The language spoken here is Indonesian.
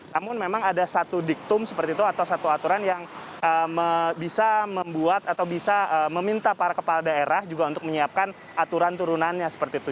namun memang ada satu diktum seperti itu atau satu aturan yang bisa membuat atau bisa meminta para kepala daerah juga untuk menyiapkan aturan turunannya seperti itu